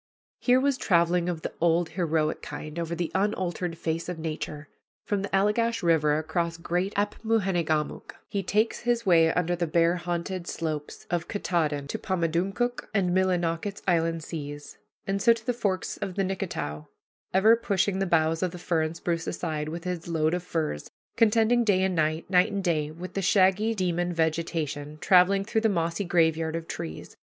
Here was traveling of the old heroic kind over the unaltered face of nature. From the Allegash River, across great Apmoojenegamook, he takes his way under the bear haunted slopes of Katahdin to Pamadumcook and Millinocket's inland seas, and so to the forks of the Nicketow, ever pushing the boughs of the fir and spruce aside, with his load of furs, contending day and night, night and day, with the shaggy demon vegetation, traveling through the mossy graveyard of trees.